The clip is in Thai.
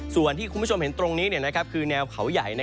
ส่วนที่คุณผู้ชมเห็นตรงนี้คือแนวเขาใหญ่